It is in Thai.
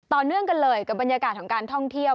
ต่อเนื่องกันเลยกับบรรยากาศของการท่องเที่ยว